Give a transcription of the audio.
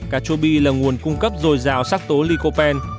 cà chua bi là nguồn cung cấp dồi dào sắc tố lycopen